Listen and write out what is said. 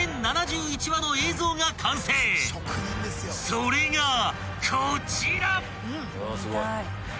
［それがこちら］